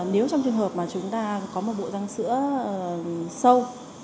nếu trong trường hợp mà chúng ta có một bộ răng sữa sâu